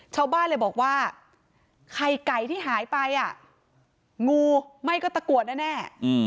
ชาวบ้านเลยบอกว่าไข่ไก่ที่หายไปอ่ะงูไม่ก็ตะกรวดแน่